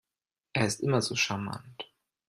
Er ist immer so charmant.